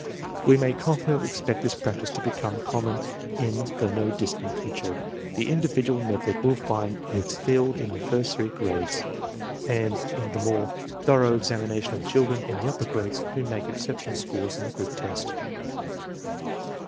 We may confidently expect this practice to become common in the no distant future. The individual method will find its field in the first three grades, and in the more thorough examination of children in the upper grades who make exceptional scores in the group test.